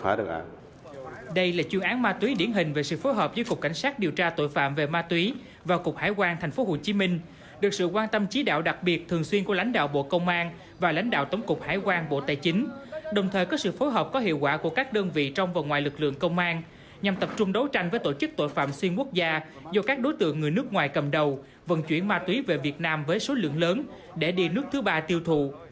vào hiện trường tám giờ đồng hồ thôi mới phá án đây là chuyên án ma túy điển hình về sự phối hợp với cục cảnh sát điều tra tội phạm về ma túy và cục hải quan thành phố hồ chí minh được sự quan tâm chí đạo đặc biệt thường xuyên của lãnh đạo bộ công an và lãnh đạo tổng cục hải quan bộ tài chính đồng thời có sự phối hợp có hiệu quả của các đơn vị trong và ngoài lực lượng công an nhằm tập trung đấu tranh với tổ chức tội phạm xuyên quốc gia do các đối tượng người nước ngoài cầm đầu vận chuyển ma túy về việt nam với số lượng lớn để đi nước thứ ba tiêu thụ